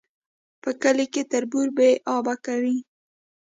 په کلي کي تربور بې آبه کوي